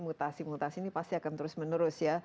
mutasi mutasi ini pasti akan terus menerus ya